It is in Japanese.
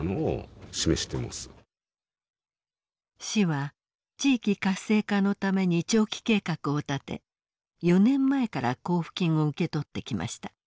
市は地域活性化のために長期計画を立て４年前から交付金を受け取ってきました。